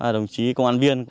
đồng chí công an viên